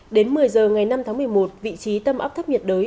đến một mươi giờ ngày năm tháng một mươi một vị trí tâm áp thấp nhiệt đới